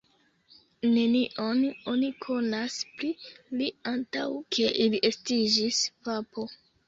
Nenion oni konas pri li antaŭ ke ili estiĝis papo.